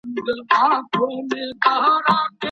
که قانون پر ټولو یو شان پلی سي، نو بې عدالتي نه رامنځته کیږي.